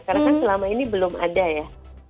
karena kan selama ini belum ada ya